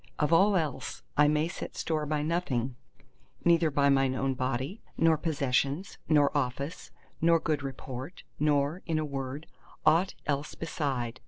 Of all else I may set store by nothing—neither by mine own body, nor possessions, nor office, nor good report, nor, in a word, aught else beside.